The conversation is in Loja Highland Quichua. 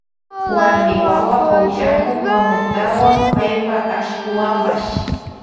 Warmi wawa pukllakun cometawan paypa ashkuwanpash.